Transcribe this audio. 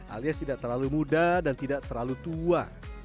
alias tidak terlalu muda dan tidak terlalu tua